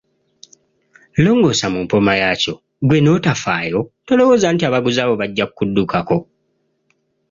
Longoosa mu mpooma yaakyo, ggwe n’otafaayo, tolowooza nti abaguzi abo bajja kukuddukako?